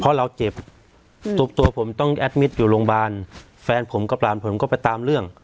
เพราะเราเจ็บอืมตัวตัวผมต้องอยู่โรงบาลแฟนผมกับร่านผมก็ไปตามเรื่อง